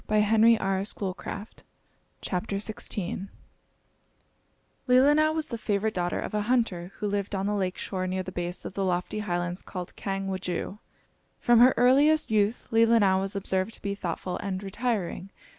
LEELINAU, THE LOST DAUGHTER |LEELINAU was the favorite daughter of a hunter, who lived on the lake shore near the base of the lofty highlands called Kang Wudjoo. From her earliest youth Leelinau was observed to be thoughtful and retiring.